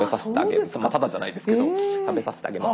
タダじゃないですけど食べさせてあげる。